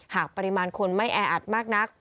หากปริมาณคนไม่แออัดมากนัก